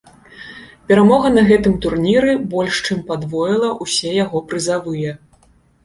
Перамога на гэтым турніры больш чым падвоіла ўсе яго прызавыя.